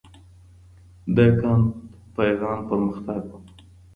د کُنت پيغام پرمختګ و.